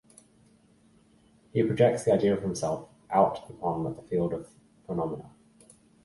He projects the idea of himself out upon the field of phenomena.